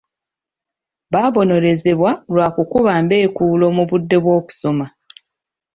Baabonerezebwa lwa kukuba mbeekuulo mu budde bw'okusoma.